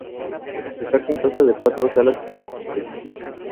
Está compuesto de cuatro salas principales.